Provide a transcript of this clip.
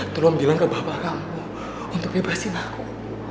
tolong bilang ke bapak kamu untuk bebasin aku